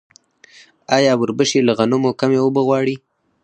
آیا وربشې له غنمو کمې اوبه غواړي؟